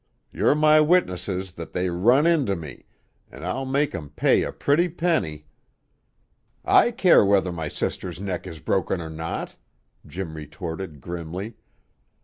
You're my witnesses that they run into me, an' I'll make 'em pay a pretty penny " "I care whether my sister's neck is broken or not!" Jim retorted grimly.